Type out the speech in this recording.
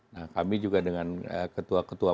nah kami juga dengan ketua ketua